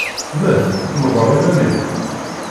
Mmet, mḍel iman-im.